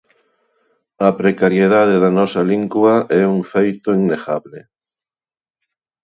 A precariedade da nosa lingua é un feito innegable.